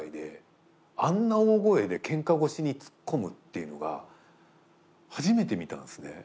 大声でケンカ腰にツッコむっていうのが初めて見たんですね。